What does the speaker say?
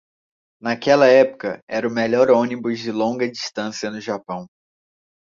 Naquela época, era o melhor ônibus de longa distância no Japão.